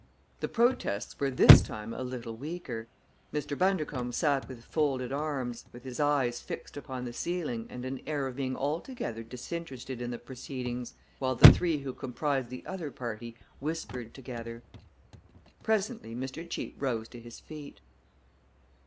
The protests were this time a little weaker. Mr. Bundercombe sat with folded arms, with his eyes fixed upon the ceiling and an air of being altogether disinterested in the proceedings, while the three who comprised the other party whispered together. Presently Mr. Cheape rose to his feet.